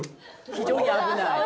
非常に危ない。